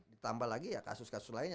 ditambah lagi ya kasus kasus lainnya